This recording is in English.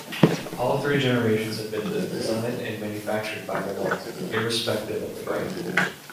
All three generations have been designed and manufactured by Renault, irrespective of the brand.